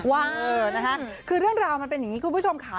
เออนะคะคือเรื่องราวมันเป็นอย่างนี้คุณผู้ชมค่ะ